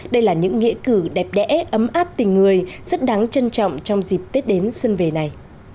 đây là những nghĩa cử đẹp đẽ ấm áp tình người rất đáng trân trọng trong dịp tết đến xuân về này